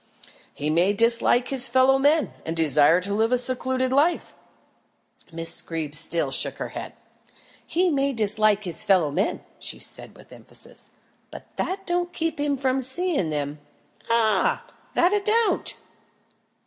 "He may dislike his fellow men, and desire to live a secluded life." Miss Greeb still shook her head. "He may dislike his fellow men," she said with emphasis, "but that don't keep him from seeing them ah! that it don't."